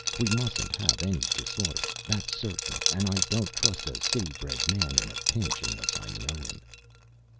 We mustn't have any disorder, that's certain, and I don't trust a city bred man in a pinch unless I know him."